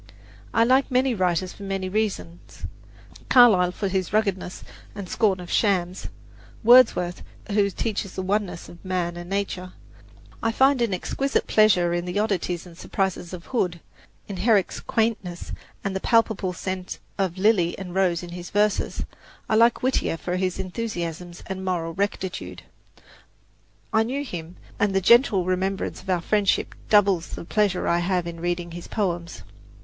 I like many writers for many reasons Carlyle for his ruggedness and scorn of shams; Wordsworth, who teaches the oneness of man and nature; I find an exquisite pleasure in the oddities and surprises of Hood, in Herrick's quaintness and the palpable scent of lily and rose in his verses; I like Whittier for his enthusiasms and moral rectitude. I knew him, and the gentle remembrance of our friendship doubles the pleasure I have in reading his poems.